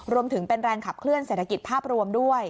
รวมถึงเป็นแรงขับเคลื่อนเศรษฐกิจภาพรวมด้วย